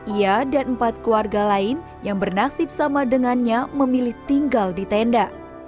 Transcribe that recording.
ia dan empat keluarga lain yang bernasib sama dengannya memilih tinggal di tenda